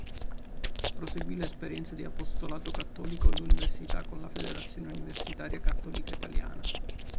Proseguì l'esperienza di apostolato cattolico all'università con la Federazione Universitaria Cattolica Italiana.